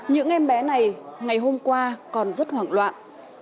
những em bé này ngày hôm qua còn rất hoảng loạn